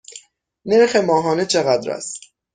نرخ ماهانه چقدر است؟